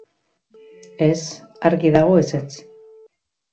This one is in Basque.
Ez, argi dago ezetz.